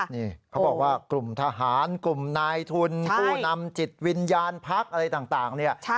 นี่เขาบอกว่ากลุ่มทหารกลุ่มนายทุนผู้นำจิตวิญญาณพักอะไรต่างเนี่ย